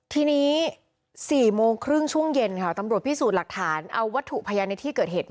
ทีนี้๔โมงครึ่งช่วงเย็นค่ะตำรวจพิสูจน์หลักฐานเอาวัตถุพยานในที่เกิดเหตุ